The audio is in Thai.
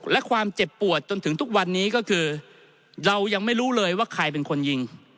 และความเจ็บปวดจนถึงทุกวันนี้ก็คือเรายังไม่รู้เลยว่าใครเป็นคนยิง